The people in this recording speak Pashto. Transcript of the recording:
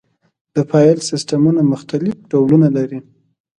د فایل سیستمونه مختلف ډولونه لري.